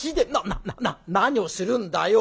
「ななな何をするんだよ！